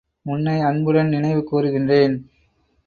உன்னை அன்புடன் நினைவு கூருகின்றேன்.